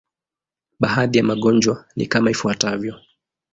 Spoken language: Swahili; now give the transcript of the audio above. Baadhi ya magonjwa ni kama ifuatavyo.